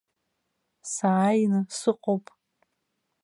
Сааины сыҟоуп!